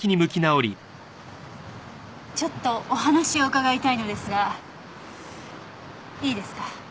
ちょっとお話を伺いたいのですがいいですか？